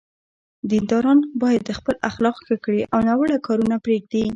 دینداران باید خپل اخلاق ښه کړي او ناوړه کارونه پرېږدي.